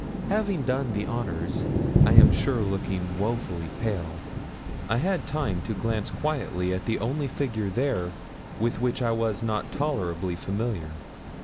Having done the honours I am sure looking woefully pale I had time to glance quietly at the only figure there with which I was not tolerably familiar.